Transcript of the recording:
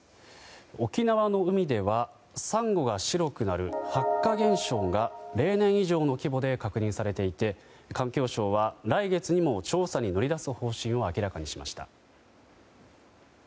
沖縄の海ではサンゴが白くなる白化現象が例年以上の規模で確認されていて環境省は来月にも調査に乗り出す方針を明らかにしました。